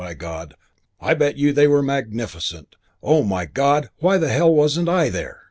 By God, I bet you they were magnificent. Oh, my God, why the hell wasn't I there?"